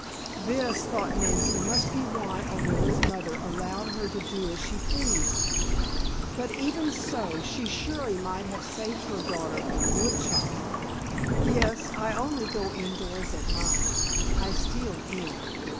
This, thought Nancy, must be why Orilla's mother allowed her to do as she pleased. But even so, she surely might have saved her daughter from wood chopping! "Yes, I only go indoors at night I steal in.